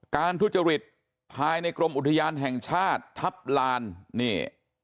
ทุจริตภายในกรมอุทยานแห่งชาติทัพลานนี่